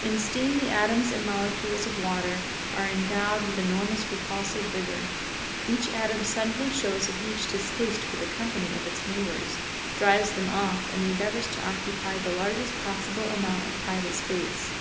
In steam the atoms and molecules of water are endowed with enormous repulsive vigour. Each atom suddenly shows a huge distaste for the company of its neighbours, drives them off, and endeavours to occupy the largest possible amount of private space.